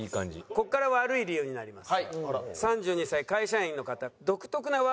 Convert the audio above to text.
ここから悪い理由になります。